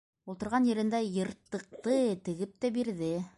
Ултырған ерендә йыртыҡты тегеп тә бирҙе.